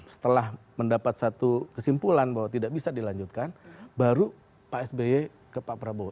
setelah mendapat satu kesimpulan bahwa tidak bisa dilanjutkan baru pak sby ke pak prabowo